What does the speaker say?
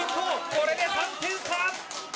これで３点差！